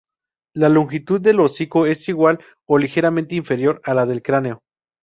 La longitud del hocico es igual o ligeramente inferior a la del cráneo.